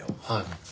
はい。